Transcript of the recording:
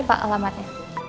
ini pak alamatnya